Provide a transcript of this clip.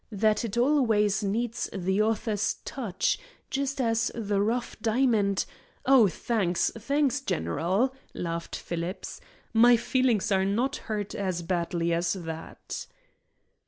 That it always needs the author's touch, just as the rough diamond " "Oh, thanks, thanks, general," laughed Phillips. "My feelings are not hurt as badly as that."